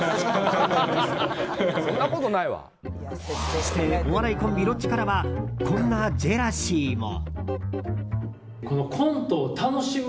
そして、お笑いコンビロッチからはこんなジェラシーも。